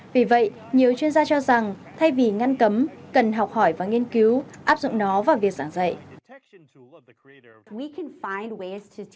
vì vậy nhiều chuyên gia cho rằng thay vì ngăn cấm cần học hỏi và nghiên cứu áp dụng nó vào việc giảng dạy